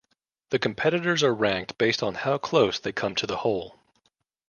The competitors are ranked based on how close they come to the hole.